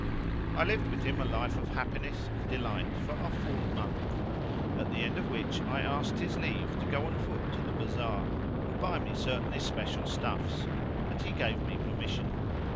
I lived with him a life of happiness and delight for a full month, at the end of which I asked his leave[FN#340] to go on foot to the bazar and buy me certain especial stuffs and he gave me permission.